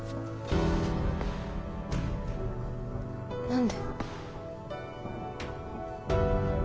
何で？